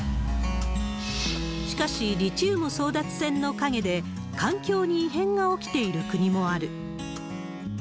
しかし、リチウム争奪戦の陰で、環境に異変が起きている国もある。